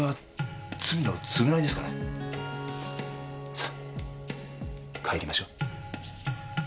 さあ帰りましょう。